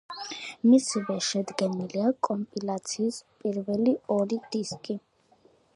მისივე შედგენილია კომპილაციის პირველი ორი დისკი.